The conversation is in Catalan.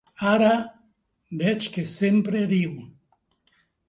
Ara veig que sempre riu.